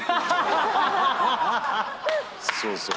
そうそう。